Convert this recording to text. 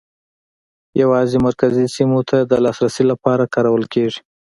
یوازې مرکزي سیمو ته د لاسرسي لپاره کارول کېږي.